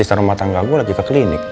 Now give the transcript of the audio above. asisten rumah tangga gue lagi ke klinik